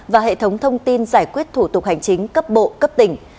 và hệ thống thông tin giải quyết thủ tục hành chính cấp bộ cấp tỉnh